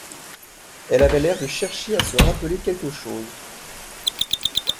Elle avait l'air de chercher à se rappeler quelque chose.